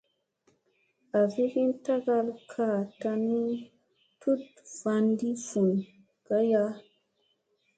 Azi hin tagat ka ta ni tut wanɗi fun gaya.